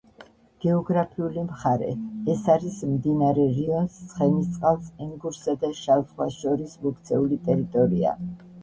გეოგრაფიული მხარე. ეს არის მდინარე რიონს, ცხენისწყალს, ენგურსა და შავ ზღვას შორის მოქცეული ტერიტორია.